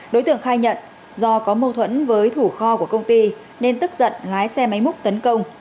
đối tượng khai nhận do có mâu thuẫn với thủ kho của công ty nên tức giận lái xe máy múc tấn công